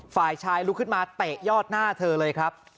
ฝ่ายชายลุกขึ้นมาเตะยอดหน้าเธอเลยครับ